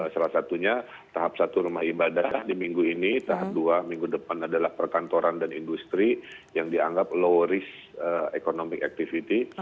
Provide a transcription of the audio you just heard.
salah satunya tahap satu rumah ibadah di minggu ini tahap dua minggu depan adalah perkantoran dan industri yang dianggap low risk economic activity